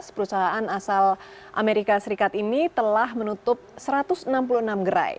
perusahaan asal amerika serikat ini telah menutup satu ratus enam puluh enam gerai